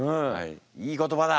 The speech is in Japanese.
いい言葉だ！